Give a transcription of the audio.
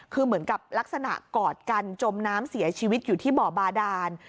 คือเหมือนกับลักษณะกอดกันจมน้ำเสียชีวิตอยู่ที่บ่อบาดาน